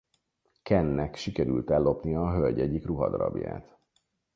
Kennek sikerül ellopnia a hölgy egyik ruhadarabját.